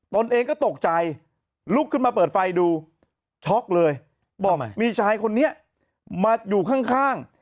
ตนเองก็ตกใจลุกขึ้นมาเปิดไฟดูช็อกเลยบอกมีชายคนนี้มาอยู่ข้าง